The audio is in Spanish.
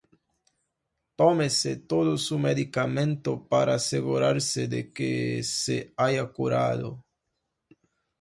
Tómese todo su medicamento para asegurarse de que se haya curado.•